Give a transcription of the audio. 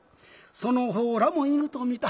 「その方らも犬と見た。